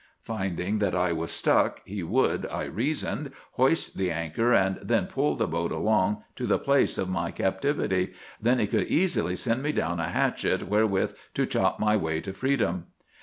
Finding that I was stuck, he would, I reasoned, hoist the anchor, and then pull the boat along to the place of my captivity. Then he could easily send me down a hatchet wherewith to chop my way to freedom.